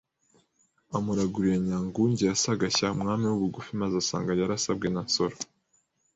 amuraguriye Nyanguge ya Sagashya Umwami w’ubugufi maze asanga yarasabwe na Nsoro I